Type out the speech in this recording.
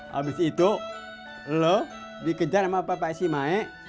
habis itu lo dikejar sama bapak isi mae